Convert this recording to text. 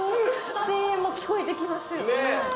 声援も聞こえてきますよね。